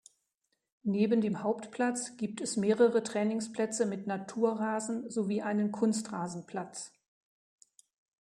Neben dem Hauptplatz gibt es mehrere Trainingsplätze mit Naturrasen sowie einen Kunstrasenplatz.